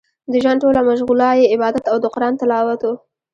د ژوند ټوله مشغولا يې عبادت او د قران تلاوت و.